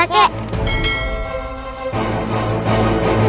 alhamdulillah alahumma whalaer